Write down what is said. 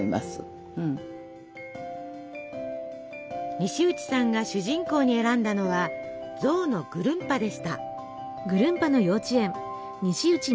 西内さんが主人公に選んだのは象のぐるんぱでした。